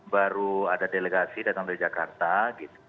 baru ada delegasi datang dari jakarta gitu